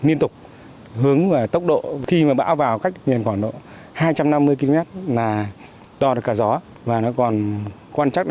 liên tục hướng và tốc độ khi mà bão vào cách nền khoảng độ hai trăm năm mươi km là đo được cả gió và nó còn quan trắc